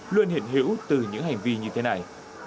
luôn hiện hữu từ những hành vi như thế này